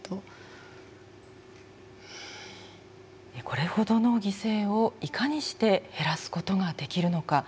これほどの犠牲をいかにして減らすことができるのか。